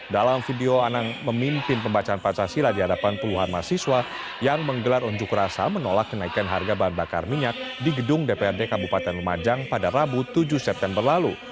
dalam video anang memimpin pembacaan pancasila di hadapan puluhan mahasiswa yang menggelar unjuk rasa menolak kenaikan harga bahan bakar minyak di gedung dprd kabupaten lumajang pada rabu tujuh september lalu